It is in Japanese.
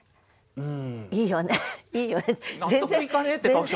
うん。